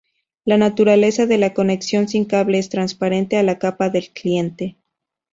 La naturaleza de la conexión sin cable es transparente a la capa del cliente.